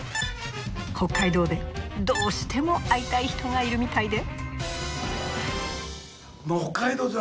北海道でどうしても会いたい人がいるみたいで。